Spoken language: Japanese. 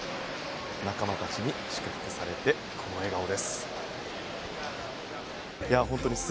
仲間たちに祝福されてこの笑顔です。